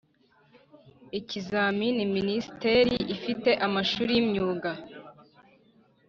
ikizamini Minisiteri ifite amashuri y imyuga